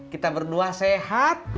kita berdua sehat